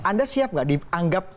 anda siap gak dianggap